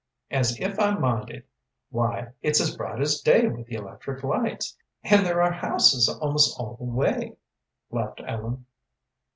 "As if I minded! Why, it is as bright as day with the electric lights, and there are houses almost all the way," laughed Ellen.